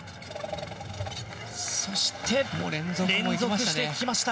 そして連続してきました。